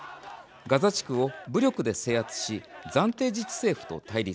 ガザ地区を武力で制圧し暫定自治政府と対立